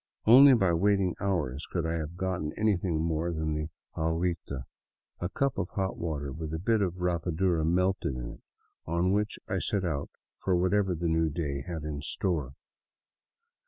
Only by waiting hours could I have gotten anything more than the " aguita," a cup of hot water with a bit of rapadura melted in it, on which I set out for whatever the new day had in store.